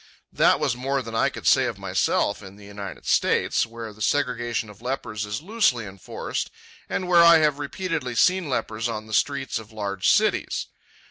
That was more than I could say of myself in the United States, where the segregation of lepers is loosely enforced and where I have repeatedly seen lepers on the streets of large cities.